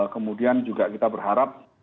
kemudian juga kita berharap